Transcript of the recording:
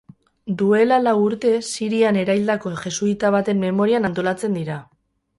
Duela lau urte sirian eraildako jesuita baten memorian antolatzen dira.